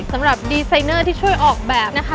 สำหรับดีไซเนอร์ที่ช่วยออกแบบนะคะ